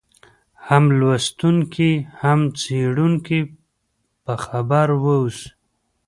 هم لوستونکی هم څېړونکی په خبر واوسي.